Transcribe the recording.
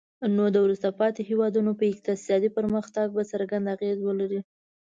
نو د وروسته پاتې هیوادونو په اقتصادي پرمختګ به څرګند اغیز ولري.